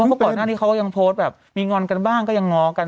ถึงว่าปรากฏหน้าที่เขาก็ยังโพสต์แบบมีงอนกันบ้างก็ยังง้อกัน